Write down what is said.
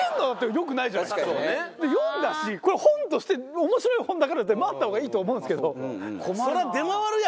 これ本として面白い本だから出回った方がいいと思うんですけど。